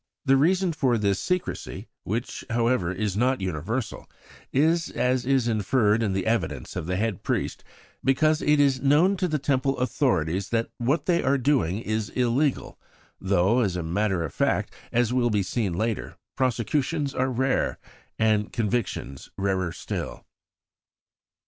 The reason for this secrecy, which, however, is not universal, is, as is inferred in the evidence of the head priest, because it is known to the Temple authorities that what they are doing is illegal; though, as a matter of fact, as will be seen later, prosecutions are rare, and convictions rarer still.